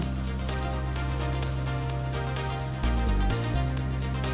tiếp theo chương trình